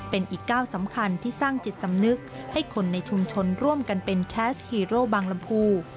เป็นอีกก้าวสำคัญที่สร้างจิตสำนึกให้คนในชุมชนร่วมกันเป็นแคสฮีโร่บางลำพู